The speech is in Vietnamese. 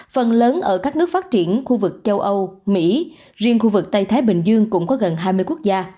phần lớn ở các nước phát triển khu vực châu âu mỹ riêng khu vực tây thái bình dương cũng có gần hai mươi quốc gia